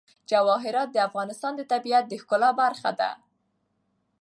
جواهرات د افغانستان د طبیعت د ښکلا برخه ده.